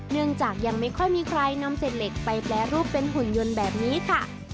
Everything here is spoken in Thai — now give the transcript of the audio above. เนื่องจากยังไม่ค่อยมีใครนำเศษเหล็กไปแปรรูปเป็นหุ่นยนต์แบบนี้ค่ะ